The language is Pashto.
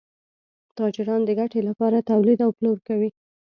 تاجران د ګټې لپاره تولید او پلور کوي.